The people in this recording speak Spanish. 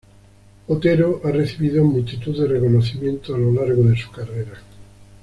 Otero ha recibido multitud de reconocimientos a lo largo de su carrera.